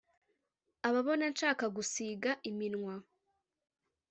ababona nshaka gusiga iminwa